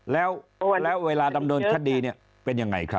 แล้วเวลาดำเนินคดีเนี่ยเป็นยังไงครับ